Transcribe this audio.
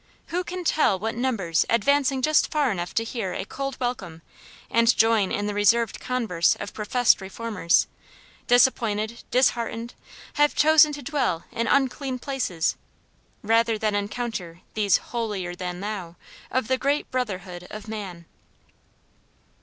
Who can tell what numbers, advancing just far enough to hear a cold welcome and join in the reserved converse of professed reformers, disappointed, disheartened, have chosen to dwell in unclean places, rather than encounter these "holier than thou" of the great brotherhood of man!